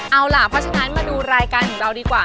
เอาล่ะเพราะฉะนั้นมาดูรายการของเราดีกว่า